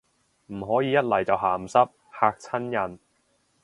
唔可以一嚟就鹹濕，嚇親人